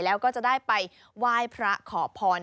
แล้วก็จะได้ไปไหว้พระขอพร